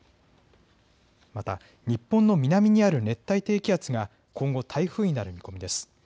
また日本の南にある熱帯低気圧が今後、台風になる見込みです。